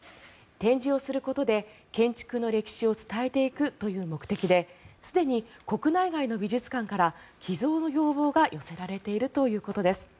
展示をすることで建築の歴史を伝えていくという目的ですでに国内外の美術館から寄贈の要望が寄せられているということです。